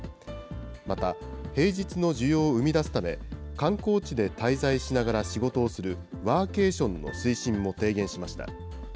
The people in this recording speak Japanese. また平日の需要を生み出すため、観光地で滞在しながら仕事をするワーケーションの推進も提言しました。